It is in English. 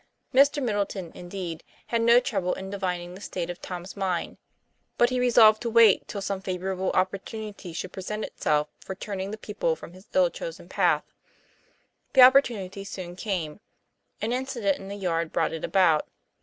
Mr. Middleton, indeed, had no trouble in divining the state of Tom's mind; but he resolved to wait till some favorable opportunity should present itself for turning the pupil from his ill chosen path. The op portunity soon came. An incident in the yard brought it about.